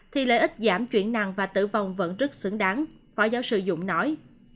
thì lợi ích giảm chuyển nặng và tử vong vẫn rất xứng đáng phó giáo sư dũng nói